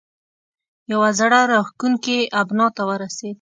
یوه زړه راښکونې ابنا ته ورسېد.